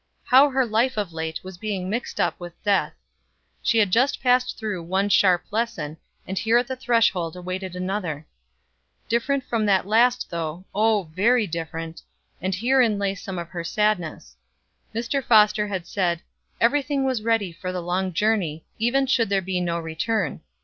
How her life of late was being mixed up with death. She had just passed through one sharp lesson, and here at the threshold awaited another. Different from that last though oh, very different and herein lay some of the sadness. Mr. Foster had said "every thing was ready for the long journey, even should there be no return."